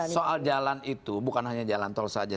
soal jalan itu bukan hanya jalan tol saja